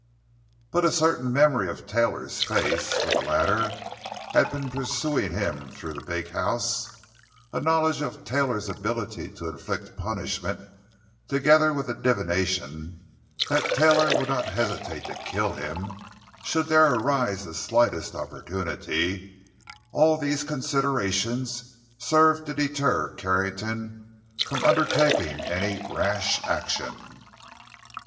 But a certain memory of Taylor's face when the latter had been pursuing him through the big house; a knowledge of Taylor's ability to inflict punishment, together with a divination that Taylor would not hesitate to kill him should there arise the slightest opportunity—all these considerations served to deter Carrington from undertaking any rash action.